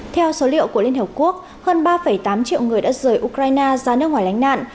theo số liệu của liên hợp quốc hơn ba tám triệu người đã rời ukraine ra nước ngoài lánh nạn